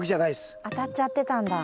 当たっちゃってたんだ。